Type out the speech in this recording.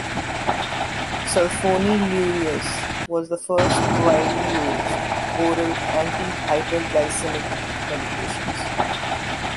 Sulfonylureas were the first widely used oral anti-hyperglycemic medications.